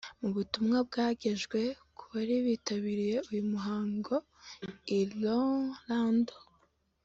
Mu butumwa byagejwe ku bari bitabiriye uyu muhango i Orlando